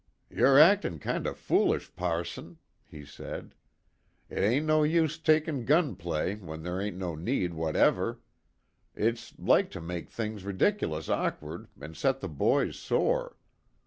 "You're actin' kind o' foolish, passon," he said. "It ain't no use talkin' gun play when ther' ain't no need whatever. It's like to make things ridic'lous awkward, an' set the boys sore.